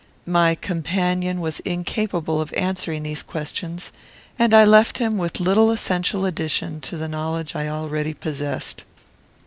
My companion was incapable of answering these questions, and I left him with little essential addition to the knowledge I already possessed.